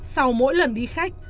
sau mỗi lần đi khách